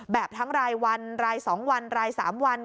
แบบทั้งรายวันราย๒วันราย๓วัน